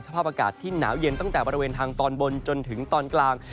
สภาพอากาศที่หนาวเย็นตั้งแต่บริเวณทางตอนบนจนถึงตอนกลาง